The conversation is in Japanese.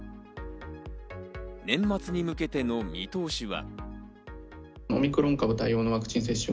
年末に向けての見通しは。